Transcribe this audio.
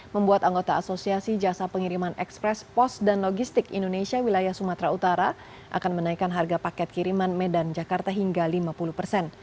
membuat anggota asosiasi jasa pengiriman ekspres pos dan logistik indonesia wilayah sumatera utara akan menaikkan harga paket kiriman medan jakarta hingga lima puluh persen